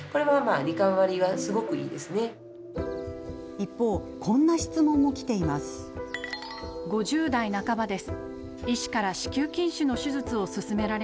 一方、こんな質問もきています。